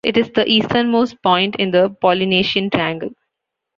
It is the easternmost point in the Polynesian Triangle.